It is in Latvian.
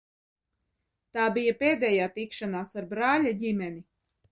Tā bija pēdējā tikšanās ar brāļa ģimeni.